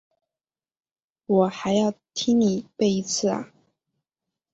我还要听你背一次啊？